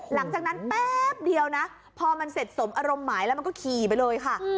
หลังจากนั้นแป๊บเดียวนะพอมันเสร็จสมอร่มหมายแล้วมันก็ขี่ไปเลยค่ะ